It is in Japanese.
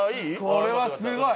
「これはすごい！」